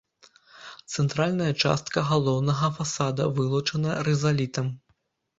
Цэнтральная частка галоўнага фасада вылучана рызалітам.